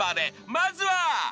［まずは］